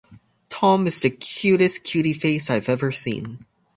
Tom is the cutest cutie face I’ve ever seen.